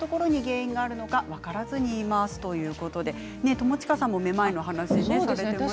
友近さんもめまいの話をされていましたね。